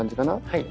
はい。